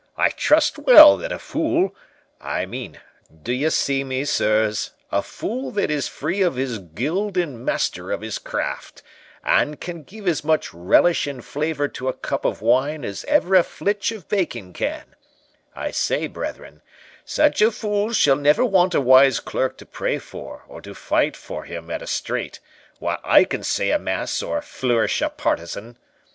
I trust well that a fool—I mean, d'ye see me, sirs, a fool that is free of his guild and master of his craft, and can give as much relish and flavour to a cup of wine as ever a flitch of bacon can—I say, brethren, such a fool shall never want a wise clerk to pray for or fight for him at a strait, while I can say a mass or flourish a partisan."